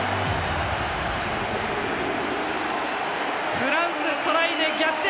フランス、トライで逆転！